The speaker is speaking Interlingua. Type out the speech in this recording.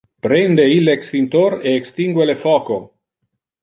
Prende ille extinctor e extingue le foco!